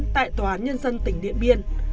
tại tòa án nhân dân tỉnh điện biên